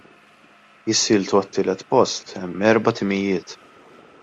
Jissieltu għat-tielet post hemm erba' timijiet.